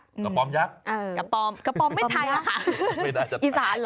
กระปอมยักษ์กระปอมกระปอมไม่ไทยหรอกค่ะอีสานเหรอ